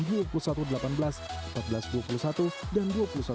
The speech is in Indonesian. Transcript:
empat belas dua puluh satu dan dua puluh satu delapan belas